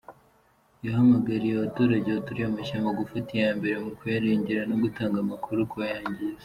Yahamagariye abaturage baturiye amashyamba gufata iya mbere mu kuyarengera no gutanga amakuru ku bayangiza.